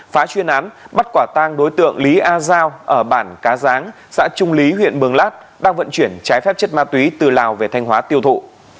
phá chuyên án bắt quả tang đối tượng lý a giao ở bản cá giáng xã trung lý huyện mường lát đang vận chuyển trái phép chất ma túy từ lào về thanh hóa tiêu thụ